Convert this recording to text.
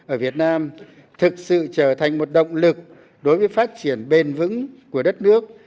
ở việt nam thực sự trở thành một động lực đối với phát triển bền vững của đất nước